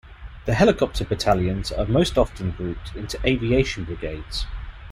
The helicopter battalions are most often grouped into aviation brigades.